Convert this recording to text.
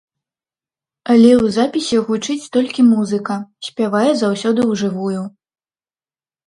Але ў запісе гучыць толькі музыка, спявае заўсёды ў жывую.